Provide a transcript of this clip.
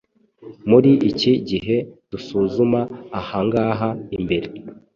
muri iki gihe dusuzuma ahangaha imbere.